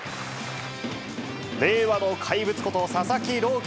令和の怪物こと佐々木朗